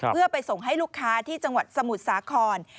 เพื่อไปส่งให้ลูกค้าที่จังหวัดสมุทรสาคร